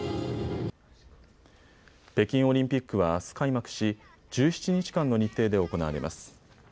北京オリンピックはあす開幕し、１７日間の日程で行われます。